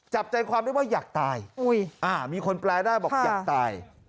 จับใจความได้ว่าอยากตายมีคนแปลได้บอกอยากตาย